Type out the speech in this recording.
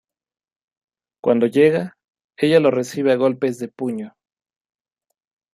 Cuando llega, ella lo recibe a golpes de puño.